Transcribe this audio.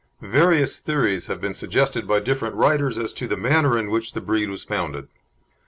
Various theories have been suggested by different writers as to the manner in which the breed was founded.